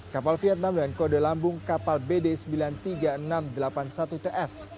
kapal vietnam dengan kode lambung kapal bd sembilan ribu tiga puluh enam ratus delapan puluh satu ts